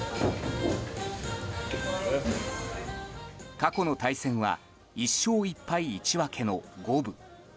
過去の対戦は１勝１敗１分けの五分。